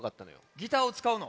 ギターをつかうの？